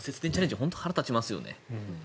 本当に腹立ちますよね。